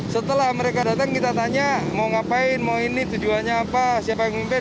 setelah mereka datang kita tanya mau ngapain mau ini tujuannya apa siapa yang memimpin